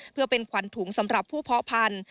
เพื่อเป็นขวัญถุงสำหรับผู้เพาะพันธุ